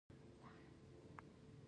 د مارجې ځمکې حاصلخیزه دي